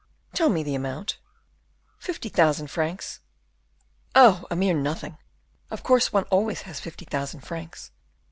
"Tell me the amount." "Fifty thousand francs." "Oh! a mere nothing. Of course one has always fifty thousand francs.